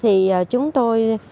thì chúng tôi